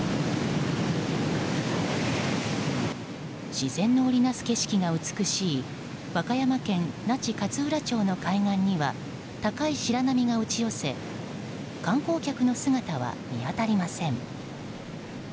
自然の織り成す景色が美しい和歌山県那智勝浦町の海岸には高い白波が打ち寄せ観光客の姿は見当たりません。